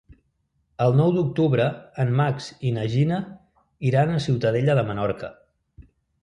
El nou d'octubre en Max i na Gina iran a Ciutadella de Menorca.